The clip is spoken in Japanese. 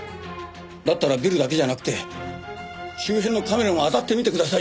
だったらビルだけじゃなくて周辺のカメラもあたってみてくださいよ。